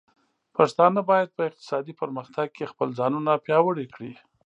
پښتانه بايد په اقتصادي پرمختګ کې خپل ځانونه پياوړي کړي.